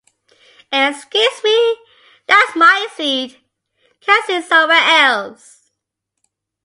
Excuse me, that's my seat. Can you sit somewhere else?